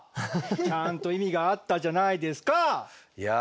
ちゃんと意味があったじゃないですカァ！